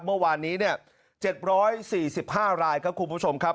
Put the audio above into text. เมื่อวานนี้๗๔๕รายครับคุณผู้ชมครับ